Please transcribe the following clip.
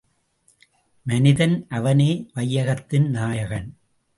மனிதன் அவனே வையகத்தின் நாயகன்!